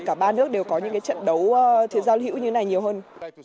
cả ba nước đều có những trận đấu giao lưu như thế này nhiều hơn